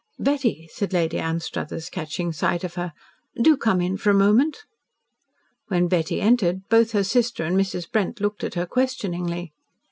"Betty," said Lady Anstruthers, catching sight of her, "do come in for a moment." When Betty entered, both her sister and Mrs. Brent looked at her questioningly.